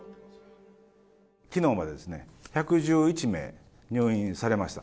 きのうまで、１１１名入院されました。